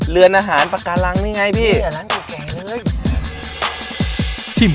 เรือนอาหารปักกะลังนี่ไงพี่